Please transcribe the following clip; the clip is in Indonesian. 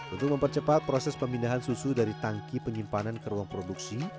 untuk mempercepat proses pemindahan susu dari tangki penyimpanan ke ruang produksi